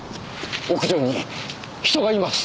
屋上に人がいます。